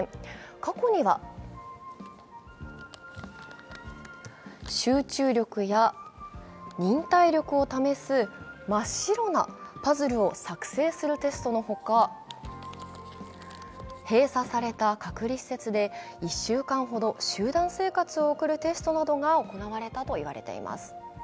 過去には集中力や忍耐力を試す真っ白なパズルを作成するテストのほか、閉鎖された隔離施設で１週間ほど集団生活を送るテストなどが行われたと言われています。